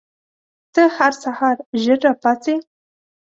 ته هر سهار ژر راپاڅې؟